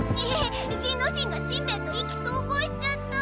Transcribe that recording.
仁之進がしんべヱと意気投合しちゃった。